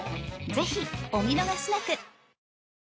ぜひお見逃しなく！